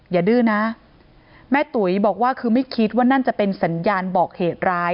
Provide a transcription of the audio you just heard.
อย่าดื้อน้าแม่ตุ๋ยบอกว่าก็คือไม่กลัวนั้นจะเป็นสัญญาณบอกเหตุร้าย